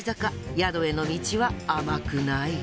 宿への道は甘くない。